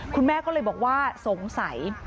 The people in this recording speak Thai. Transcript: คุณแม่ก็เลยบอกว่าสงสัย